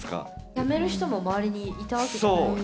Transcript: やめる人も周りにいたわけじゃないですか。